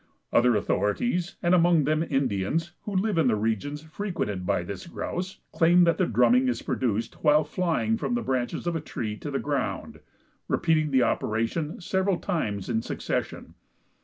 Other authorities, and among them Indians, who live in the regions frequented by this grouse, claim that the drumming is produced while flying from the branches of a tree to the ground, repeating the operation several times in succession.